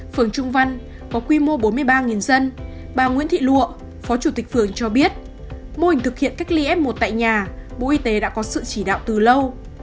phường trung văn có quy mô bốn mươi ba dân bà nguyễn thị lụa phó chủ tịch phường cho biết mô hình thực hiện cách ly f một tại nhà bộ y tế đã có sự chỉ đạo từ lâu